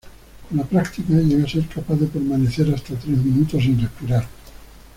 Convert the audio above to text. Con la práctica llegó a ser capaz de permanecer hasta tres minutos sin respirar.